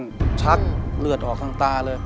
ความเลือดออกข้างตาเลย